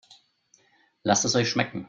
Lasst es euch schmecken!